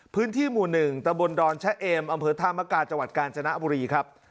พื้นที่หมู่หนึ่งตะบนดรชะเอ็มอำเภิษธามกาศจังหวัดกาลจนาบุรีครับ